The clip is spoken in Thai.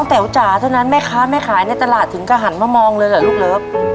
แต๋วจ๋าเท่านั้นแม่ค้าแม่ขายในตลาดถึงก็หันมามองเลยเหรอลูกเลิฟ